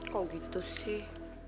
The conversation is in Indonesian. kok gitu sih